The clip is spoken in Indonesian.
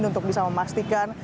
untuk bisa memastikan